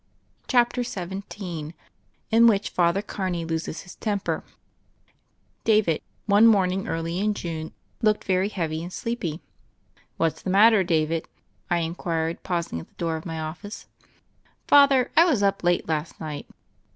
CHAPTER XVII IN WHICH FATH£R CARNEY LOSES HIS TEMPER DAVID, one morning early in June, looked very heavy and sleepy. "What's the matter, David?" I inquired, pausing at the door of my office. "Father, I was up late last night."